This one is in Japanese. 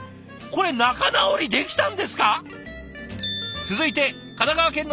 これ仲直りできたんですか！？